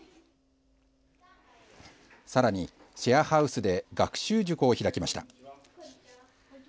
さらに、シェアハウスで学習塾を開きました。